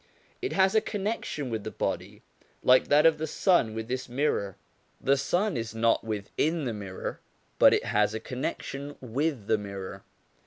It has a connection with the body, like that of the sun with this mirror. The sun is not within the mirror, but it has a connec tion with the mirror.